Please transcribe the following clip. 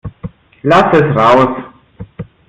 Lass es raus!